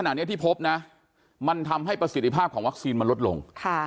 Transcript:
ขณะนี้ที่พบนะมันทำให้ประสิทธิภาพของวัคซีนมันลดลง